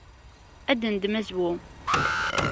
Ad d-neddem azwu.